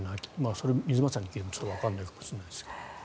それ、水町さんに聞いてもちょっとわからないかもしれないですが。